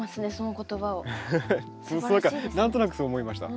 何となくそう思いました。